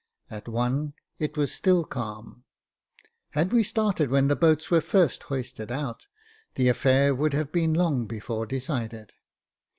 At one, it was still calm. Had we started when the boats were first hoisted out, the affair would have been long before decided.